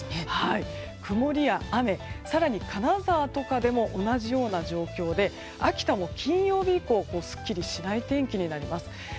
曇りや雨、更に金沢とかでも同じような状況で秋田も金曜日以降すっきりしない天気になります。